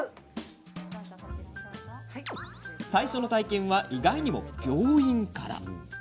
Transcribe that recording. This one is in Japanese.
最初の体験は意外にも病院から。